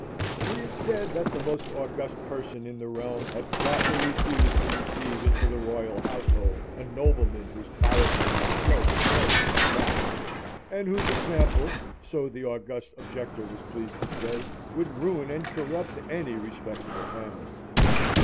It is said that the most August Person in the realm had flatly refused to receive into the R y l Household a nobleman whose character was so notoriously bad, and whose example (so the August Objector was pleased to say) would ruin and corrupt any respectable family.